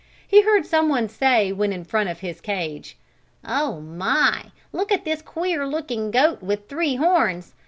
He heard some one say when in front of his cage: "Oh, my! Look at this queer looking goat with three horns don't he look fierce?"